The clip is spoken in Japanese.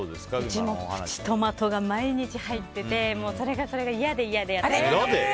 うちもプチトマトが毎日入っててそれが嫌で嫌で。